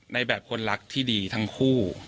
ในแบบคนรักที่ดีทั้งคู่